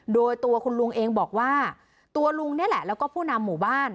โดยตัวคุณลุงเองบอกว่าตัวลุงนี่แหละแล้วก็ผู้นำหมู่บ้าน